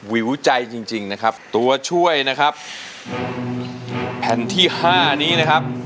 วิวใจจริงจริงนะครับตัวช่วยนะครับแผ่นที่ห้านี้นะครับ